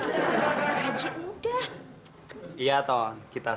iya toh kita semua ini udah gak sabar pengen mencari teman teman kita